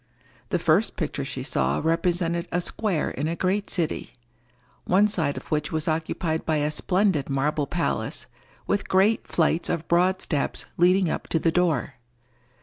The first picture she saw represented a square in a great city, one side of which was occupied by a splendid marble palace, with great flights of broad steps leading up to the door.